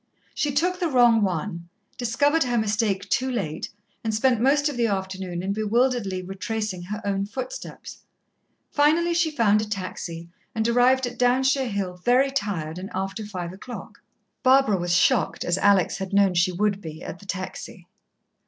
She took the wrong one, discovered her mistake too late, and spent most of the afternoon in bewilderedly retracing her own footsteps. Finally she found a taxi, and arrived at Downshire Hill very tired, and after five o'clock. Barbara was shocked, as Alex had known she would be, at the taxi.